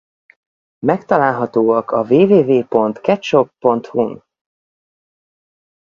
Megtalálhatóak a www.keddshop.hu-n.